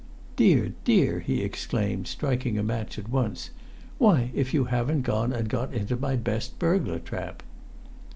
"Dear, dear!" he exclaimed, striking a match at once. "Why, if you haven't gone and got into my best burglar trap!"